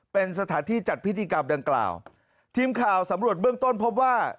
เป็นสถานที่จัดพิธีกรรมดังกล่าวทีมข่าวสำรวจเบื้องต้นพบว่า